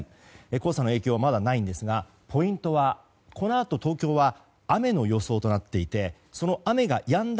黄砂の影響はまだないですがポイントはこのあと、東京は雨の予想となっていてその雨がやんだ